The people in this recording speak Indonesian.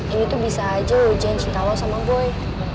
ini tuh bisa aja loh jangan cinta lo sama boy